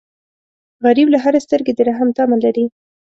غریب له هرې سترګې د رحم تمه لري